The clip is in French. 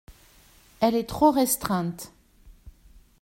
Elle est trop restreinte.